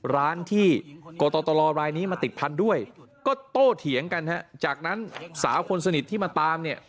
ร้านที่กตรรายนี้มาติดพันธุ์ด้วยก็โตเถียงกันฮะจากนั้นสาวคนสนิทที่มาตามเนี่ย